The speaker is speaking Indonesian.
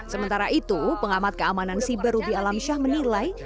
sementara itu pengamat keamanan siber ruby alamsyah menilai